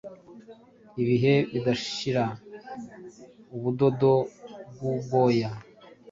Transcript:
Ibihe bidashira Ubudodo bwubwoya